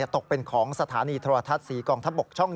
จะตกเป็นของสถานีโทรทัศน์ศรีกองทับ๖ช่อง๗